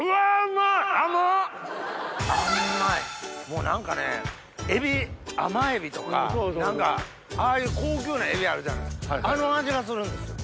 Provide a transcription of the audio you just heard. もう何かねエビ甘エビとか何かああいう高級なエビあるじゃないですかあの味がするんですよ。